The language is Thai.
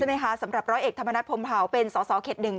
ใช่ไหมคะสำหรับร้อยเอกธรรมนัสพรมเผาเป็นสสเข็ดหนึ่ง